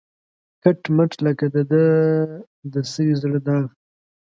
کټ مټ لکه د ده د سوي زړه داغ